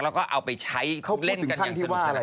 แล้วก็เอาไปใช้เล่นกันอย่างสนุกสนาน